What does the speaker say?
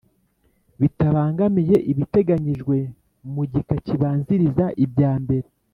Bitabangamiye ibiteganyijwe mu gika kibanziriza ibyambere